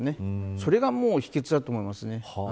それが秘訣だと思いますね。